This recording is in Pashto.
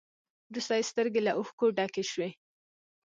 وروسته يې سترګې له اوښکو ډکې شوې.